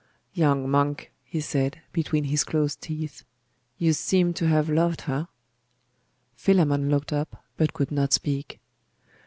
'Young monk,' he said, between his closed teeth, 'you seem to have loved her?' Philammon looked up, but could not speak.